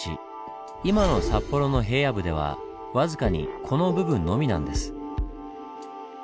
今の札幌の平野部では僅かにこの部分のみなんです。